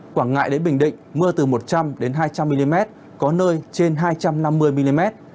quảng ngãi đến bình định mưa từ một trăm linh hai trăm linh mm có nơi trên hai trăm năm mươi mm